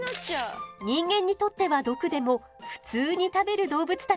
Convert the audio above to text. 人間にとっては毒でも普通に食べる動物たちがいるのよ。